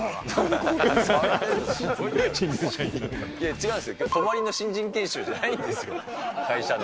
違うんですよ、泊まりの新人研修じゃないんですよ、会社の。